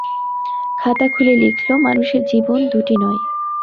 খাতা খুলে লিখল, মানুষের জীবন দুটি নয়।